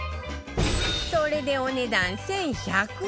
それでお値段１１００円！